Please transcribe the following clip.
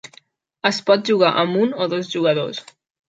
Es pot jugar amb un o dos jugadors.